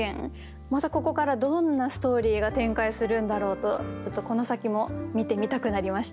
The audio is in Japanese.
またここからどんなストーリーが展開するんだろうとちょっとこの先も見てみたくなりました。